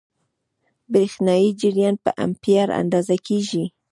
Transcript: برېښنايي جریان په امپیر اندازه کېږي.